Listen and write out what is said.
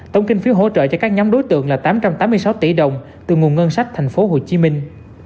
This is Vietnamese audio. tổng kinh phí hỗ trợ cho các nhóm đối tượng là tám trăm tám mươi sáu tỷ đồng từ nguồn ngân sách thành phố hồ chí minh